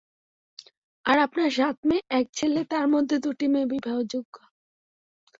আর, আপনার সাত মেয়ে, এক ছেলে, তার মধ্যে দুটি মেয়ে বিবাহযোগ্যা।